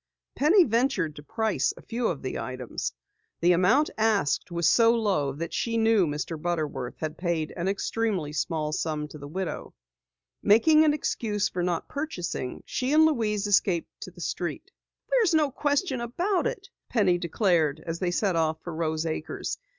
Penny ventured to price a few of the items. The amount asked was so low that she knew Mr. Butterworth had paid an extremely small sum to the widow. Making an excuse for not purchasing, she and Louise escaped to the street. "There's no question about it," Penny declared as they set off for Rose Acres.